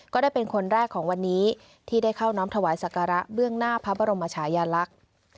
ก็ได้เป็นคนแรกของวันนี้ที่ได้เข้าน้อมถวายศักระเบื้องหน้าพระบรมชายาลักษณ์